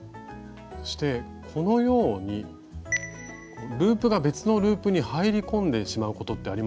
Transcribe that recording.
そしてこのようにループが別のループに入り込んでしまうことってありますよね。